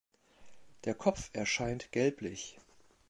Der Kopf erscheint gelblich.